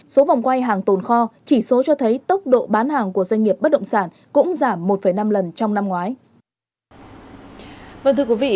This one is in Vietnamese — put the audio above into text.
số vòng quay hàng tồn kho chỉ số cho thấy tốc độ bán hàng của doanh nghiệp bất động sản cũng giảm một năm lần trong năm ngoái